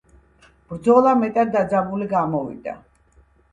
ბრძოლა მეტად დაძაბული გამოვიდა.